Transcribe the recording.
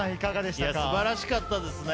素晴らしかったですね。